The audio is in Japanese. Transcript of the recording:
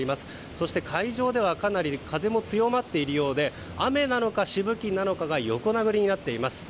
そして海上ではかなり風も強まっているようで雨なのかしぶきなのかが横殴りになっています。